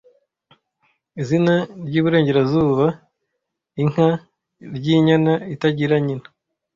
Izina ryiburengerazuba (inka) ryinyana itagira nyina